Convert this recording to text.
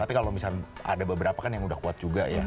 tapi kalau misalnya ada beberapa kan yang udah kuat juga ya